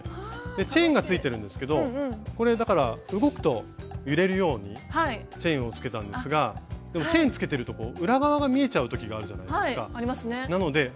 チェーンがついてるんですけどこれだから動くと揺れるようにチェーンをつけたんですがでもチェーンつけてると裏側が見えちゃうときがあるじゃないですか。